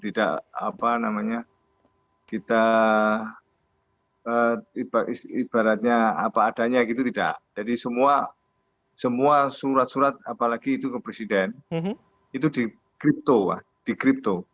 tidak apa namanya kita ibaratnya apa adanya gitu tidak jadi semua surat surat apalagi itu ke presiden itu dikripto